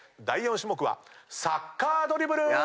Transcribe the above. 第４種目はサッカードリブル！